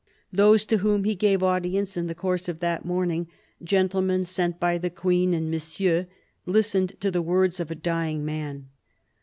Those to whom he gave audience in the course of that morning — gentlemen sent by the Queen and Monsieur — listened to the words of a dying man.